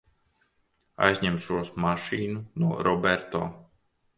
Aizņemšos mašīnu no Roberto.